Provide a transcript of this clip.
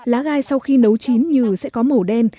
lá gai sau khi nấu chín nhừ sẽ có màu đen